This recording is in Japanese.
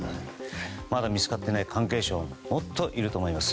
まだ見つかっていない関係者はもっといると思います。